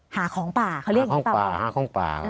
หาของปลาเขาเรียกอย่างนี้เปล่าเหรอใช่ไหมคะหาของปลา